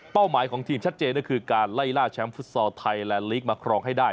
หมายของทีมชัดเจนก็คือการไล่ล่าแชมป์ฟุตซอลไทยแลนดลีกมาครองให้ได้